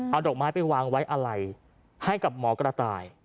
เอาดอกไม้ไปวางไว้อะไรให้กับหมอกระต่าย